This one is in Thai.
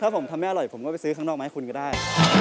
ถ้าผมทำไม่อร่อยผมก็ไปซื้อข้างนอกมาให้คุณก็ได้